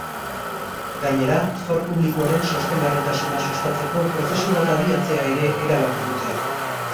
Gainera, zor publikoaren sostengarritasuna sustatzeko prozesu bat abiatzea ere erabaki dute.